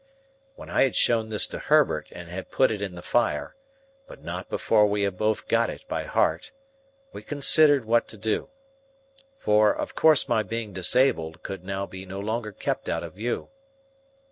When I had shown this to Herbert and had put it in the fire—but not before we had both got it by heart—we considered what to do. For, of course my being disabled could now be no longer kept out of view.